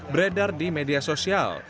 beredar di media sosial